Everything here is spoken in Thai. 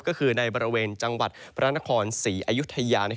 ก็คือในบริเวณจังหวัดพระนครศรีอยุธยา